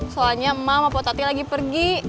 soalnya emak sama potatnya lagi pergi